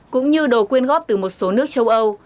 cũng như đồ quyên góp từ một số nước châu âu